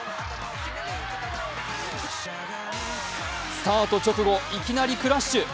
スタート直後、いきなりクラッシュ。